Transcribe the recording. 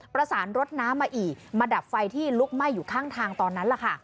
ประสานรถน้ำมาอีกมาดับไฟที่ลุกไหม้อยู่ข้างทางตอนนั้นล่ะค่ะ